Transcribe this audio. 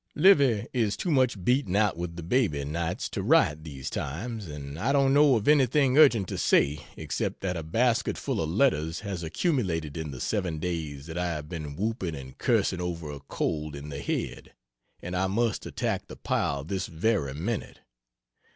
Livy is too much beaten out with the baby, nights, to write, these times; and I don't know of anything urgent to say, except that a basket full of letters has accumulated in the 7 days that I have been whooping and cursing over a cold in the head and I must attack the pile this very minute.